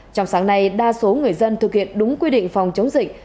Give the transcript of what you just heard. trong sáng nay đa số người dân thực hiện đúng quy định phòng chống dịch